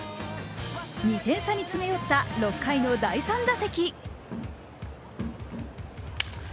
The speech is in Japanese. ２点差に詰め寄った６回の第３打席。